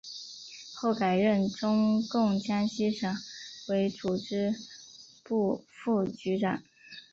后改任中共江西省委组织部副部长。